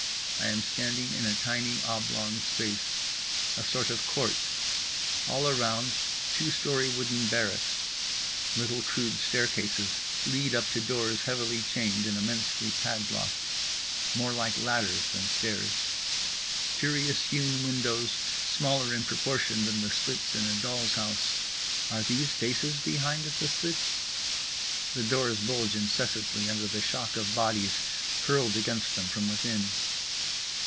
I am standing in a tiny oblong space. A sort of court. All around, two story wooden barracks. Little crude staircases lead up to doors heavily chained and immensely padlocked. More like ladders than stairs. Curious hewn windows, smaller in proportion than the slits in a doll's house. Are these faces behind the slits? The doors bulge incessantly under the shock of bodies hurled against them from within.